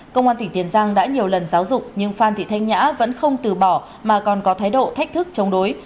công an tỉnh tiền giang đã nhiều lần giáo dục nhưng phan thị thanh nhã vẫn không từ bỏ mà còn có thái độ thách thức chống đối